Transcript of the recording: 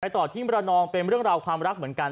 ต่อที่มรนองเป็นเรื่องราวความรักเหมือนกัน